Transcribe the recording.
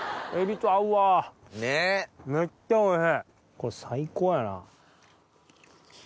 これ最高やな。